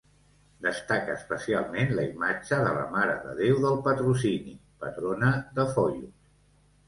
Destaca especialment la imatge de la Mare de Déu del Patrocini, patrona de Foios.